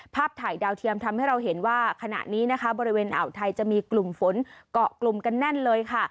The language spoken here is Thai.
ภาพถ่ายดาวเทียมทำให้เราเห็นว่าขณะนี้นะคะบริเวณอ่าวไทยจะมีกลุ่มฝนเกาะกลุ่มกันแน่นเลยค่ะ